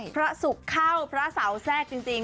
พระสุกข้าวพระสาวแทรกจริง